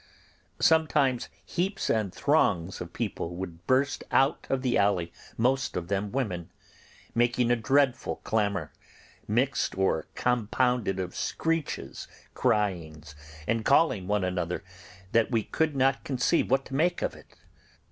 Sometimes heaps and throngs of people would burst out of the alley, most of them women, making a dreadful clamour, mixed or compounded of screeches, cryings, and calling one another, that we could not conceive what to make of it.